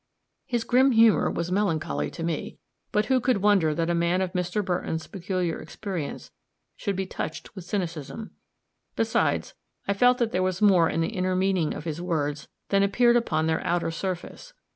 His grim humor was melancholy to me but who could wonder that a man of Mr. Burton's peculiar experience should be touched with cynicism? Besides, I felt that there was more in the inner meaning of his words than appeared upon their outer surface.